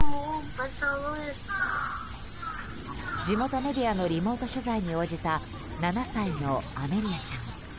地元メディアのリモート取材に応じた７歳のアメリアちゃん。